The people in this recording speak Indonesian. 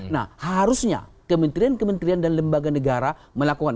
nah harusnya kementerian kementerian dan lembaga negara melakukan